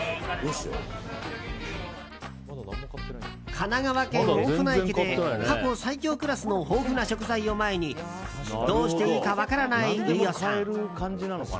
神奈川県大船駅で過去最強クラスの豊富な食材を前にどうしていいか分からない飯尾さん。